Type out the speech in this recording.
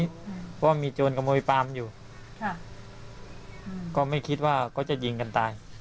เพราะว่ามีโจรขโมยปลามอยู่ค่ะก็ไม่คิดว่าเขาจะยิงกันตาย